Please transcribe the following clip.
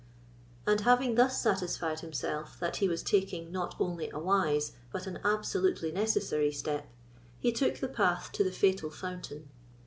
And having thus satisfied himself that he was taking not only a wise, but an absolutely necessary, step, he took the path to the fatal fountain.